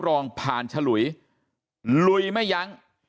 รองผ่านฉลุยลุยไม่ยั้ง